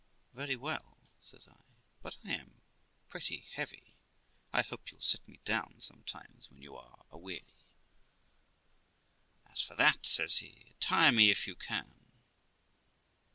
'Very well', says I; 'but I am pretty heavy. I hope you'll set me down some times when you are aweary.' 'As for that', says he, 'tire me if you can.'